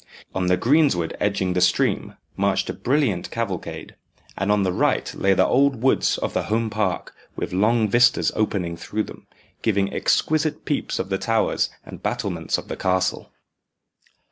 On the greensward edging the stream marched a brilliant cavalcade, and on the right lay the old woods of the Home Park, with long vistas opening through them, giving exquisite peeps of the towers and battlements of the castle.